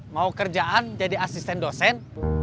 mau kerjaan jadi asisten dosen